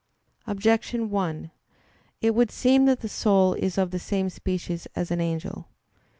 Objection 1: It would seem that the soul is of the same species as an angel.